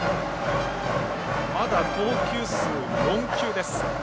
まだ投球数、４球です。